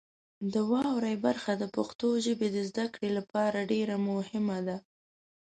د واورئ برخه د پښتو ژبې د زده کړې له مخې ډیره مهمه ده.